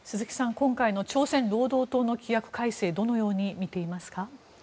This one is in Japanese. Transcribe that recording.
今回の朝鮮労働党の規約改正をどのように見ていますか。